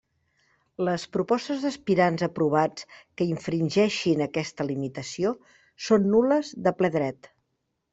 Les propostes d'aspirants aprovats que infringeixin aquesta limitació són nul·les de ple dret.